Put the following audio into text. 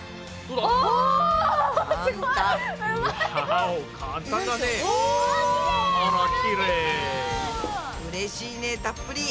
うれしいねたっぷり！